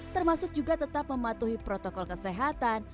termasuk juga tetap mematuhi protokol kesehatan